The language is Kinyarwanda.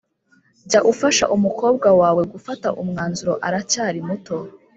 Jya ufasha umukobwa wawe gufata umwanzuro aracyari muto